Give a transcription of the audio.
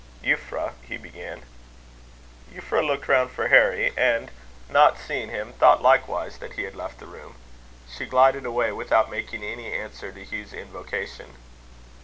"Euphra," he began. Euphra looked round for Harry, and not seeing him, thought likewise that he had left the room: she glided away without making any answer to Hugh's invocation.